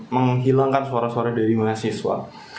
menghilangkan suara suara dari mahasiswa